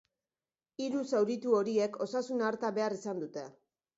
Hiru zauritu horiek osasun arreta behar izan dute.